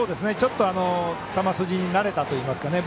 ちょっと球筋に慣れたといいますか。